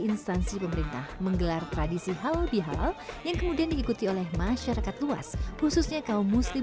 sejak itu instansi instansi pemerintah menggelar tradisi halal bihalal yang kemudian diikuti oleh masyarakat luas khususnya kaum muslim dan muslim